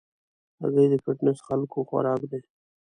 هګۍ د فټنس خلکو خوراک دی.